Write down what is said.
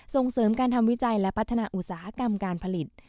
ส่งเสริมการทำวิจัยและพัฒนาอุตสาหกรรมการผลิต